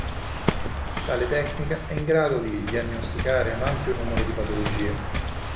Tale tecnica è in grado di diagnosticare un ampio numero di patologie.